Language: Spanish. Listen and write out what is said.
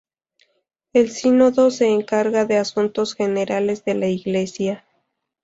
El sínodo se encarga de asuntos generales de la iglesia.